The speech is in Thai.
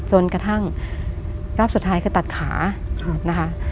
จนกระทั่งรอบสุดท้ายคือตัดขานะคะ